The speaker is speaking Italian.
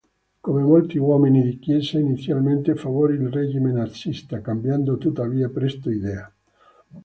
Come molti uomini di chiesa, inizialmente favorì il regime nazista, cambiando tuttavia presto idea.